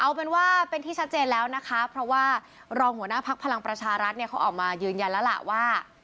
เอาเป็นว่าเป็นที่ชัดเจนแล้วนะคะเพราะว่ารองหัวหน้าพักพลังประชารัฐเนี่ยเขาออกมายืนยันแล้วล่ะว่า